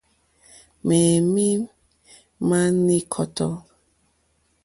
Mɛ̄ mì màá ní kɔ́tɔ́.